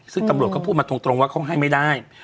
ซึ่งตำรวจก็พูดมาตรงว่าเขาให้ไม่ได้